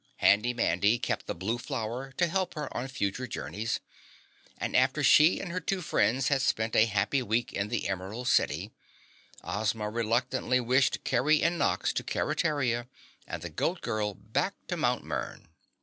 Handy Mandy kept the blue flower to help her on future journeys and after she and her two friends had spent a happy week in the Emerald City, Ozma reluctantly wished Kerry and Nox to Keretaria and the Goat Girl back to Mt. Mern.